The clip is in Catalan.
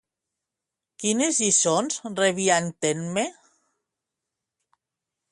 Quines lliçons rebia en Temme?